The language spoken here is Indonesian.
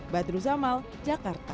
badru zamal jakarta